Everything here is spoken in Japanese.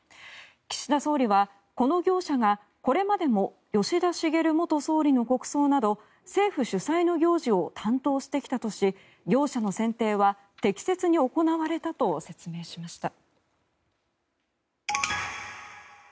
岸田総理はこの業者がこれまでも吉田茂元総理の国葬など政府主催の行事を担当してきたとし業者の選定は適切に行われたと説明しました。